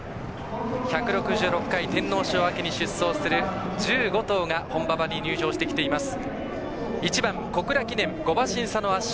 第１６６回天皇賞に出走する１５頭が本馬場に入場してきています。